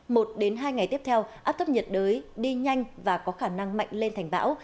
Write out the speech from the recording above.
một đến hai ngày tiếp theo áp thấp nhiệt đới đi nhanh và có khả năng mạnh lên thành bão